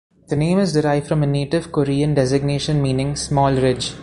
The name is derived from a native Korean designation meaning small ridge.